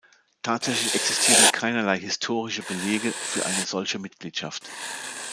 Tatsächlich existieren keinerlei historische Belege für eine solche Mitgliedschaft.